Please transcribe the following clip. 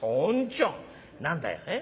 「何だよええ？